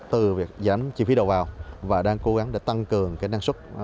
từ việc giảm chi phí đầu vào và đang cố gắng để tăng cường cái năng suất